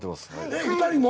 ２人も？